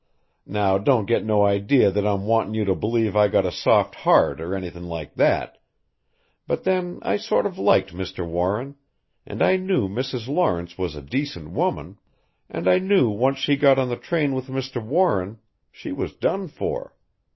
Now don't get no idea that I'm wantin' you to believe I got a soft heart or anythin' like that but then I sort of liked Mr. Warren and I knew Mrs. Lawrence was a decent woman and I knew once she got on the train with Mr. Warren she was done for.